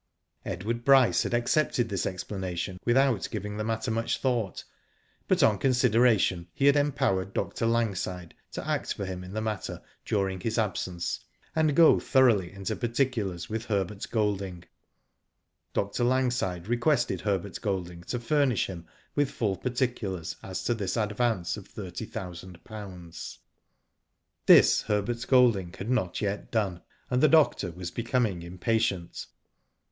Edward Bryce had accepted this explanation with out giving the matter much thought, but on con sideration he had empowered Dr. Langside to act for him in the matter during his absence, and go thoroughly into particulars with Herbert Golding. Dr. Langside requested Herbert Golding to furnish him with full particulars as to this advance of thirty thousand pounds. This, Herbert Golding had not yet done, and the doctor was becoming impatient.